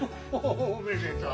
おめでとう。